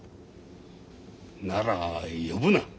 なら呼ぶな。